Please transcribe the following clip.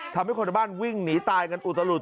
ทำให้คนในบ้านวิ่งหนีตายกันอุตลุด